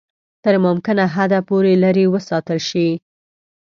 تر ممکنه حده پوري لیري وساتل شي.